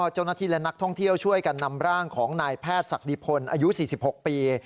เจ้าหน้าที่และนักท่องเที่ยวช่วยกันนำร่างของนายแพทย์ศักดิพลอายุ๔๖ปี